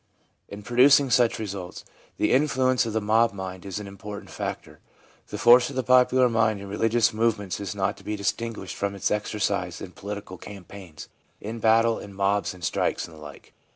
In producing such results, the influence of the mob mind is an important factor. The force of the popular mind in religious movements is not to be distinguished from its exercise in political campaigns, in battle, in mobs and strikes, and the like.